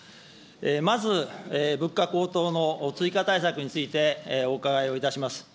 まず、物価高騰の追加対策についてお伺いをいたします。